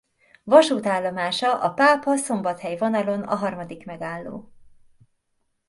Vasútállomása a Pápa-Szombathely vonalon a harmadik megálló.